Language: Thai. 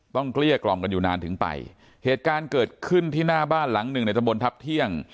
เกลี้ยกล่อมกันอยู่นานถึงไปเหตุการณ์เกิดขึ้นที่หน้าบ้านหลังหนึ่งในตะบนทัพเที่ยง